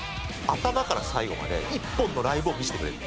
頭から最後まで１本のライブを見せてくれる。